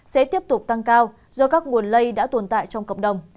sẽ tiếp tục tăng cao do các nguồn lây đã tồn tại trong cộng đồng